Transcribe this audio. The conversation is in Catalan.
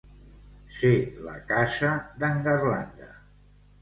Ser la casa d'en Garlanda.